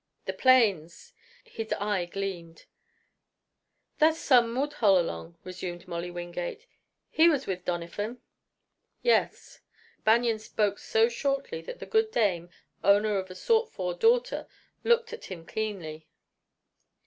The Plains!" His eye gleamed. "That's Sam Woodhull along," resumed Molly Wingate. "He was with Doniphan." "Yes." Banion spoke so shortly that the good dame, owner of a sought for daughter, looked at him keenly.